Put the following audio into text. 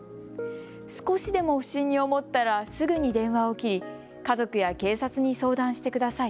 少しでも不審に思ったらすぐに電話を切り、家族や警察に相談してください。